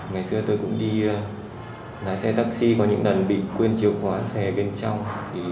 ngày xưa tôi cũng đi lái xe taxi có những lần bị quên chìa khóa xe bên trong